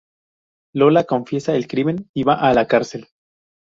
Lola confiesa el crimen y va a la cárcel.